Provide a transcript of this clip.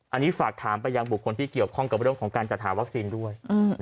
อันนี้ฝากถามไปยังบุคคลที่เกี่ยวข้องกับเรื่องของการจัดหาวัคซีนด้วย